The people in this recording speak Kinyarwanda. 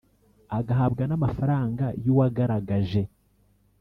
Agahabwa n amafaranga y uwagaragaje